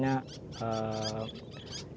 kita suka berbicara